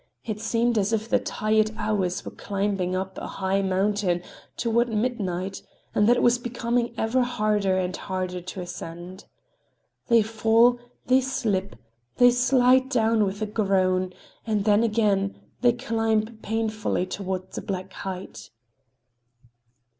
It seemed as if the tired Hours were climbing up a high mountain toward midnight, and that it was becoming ever harder and harder to ascend. They fall, they slip, they slide down with a groan—and then again, they climb painfully toward the black height.